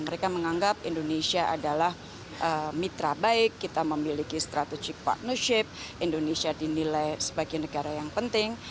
mereka menganggap indonesia adalah mitra baik kita memiliki strategic partnership indonesia dinilai sebagai negara yang penting